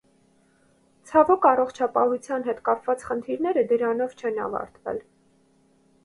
Ցավոք, առողջության հետ կապված խնդիրները դրանով չեն ավարտվել։